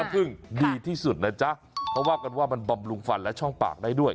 ซึ่งที่เราก็ว่ามันบำรุงฝันและช่องปากได้ด้วย